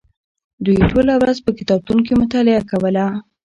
دوی ټوله ورځ په کتابتون کې مطالعه کوله.